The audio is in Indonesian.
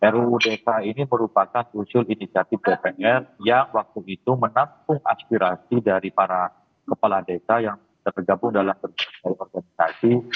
ruu desa ini merupakan usul inisiatif dpr yang waktu itu menampung aspirasi dari para kepala desa yang tergabung dalam organisasi